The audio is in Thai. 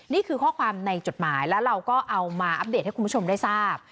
นี่คือข้อความในจดหมายแล้วเราก็เอามาอัปเดตให้คุณผู้ชมได้ทราบ